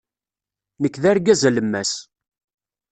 Nekk d argaz alemmas.